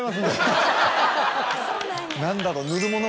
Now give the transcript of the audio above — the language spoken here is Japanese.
何だろう。